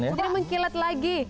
jadi mengkilap lagi